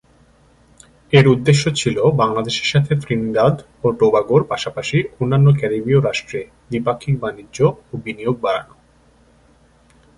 এর উদ্দেশ্য ছিল বাংলাদেশের সাথে ত্রিনিদাদ ও টোবাগোর পাশাপাশি অন্যান্য ক্যারিবীয় রাষ্ট্রে দ্বিপাক্ষিক বাণিজ্য ও বিনিয়োগ বাড়ানো।